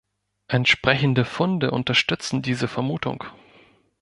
Entsprechende Funde unterstützen diese Vermutung.